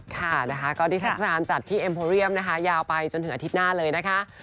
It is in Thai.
ค่ะนะคะก็นิทัศนาจัดที่เอ็มโพเรียมนะคะยาวไปจนถึงอาทิตย์หน้าเลยนะคะ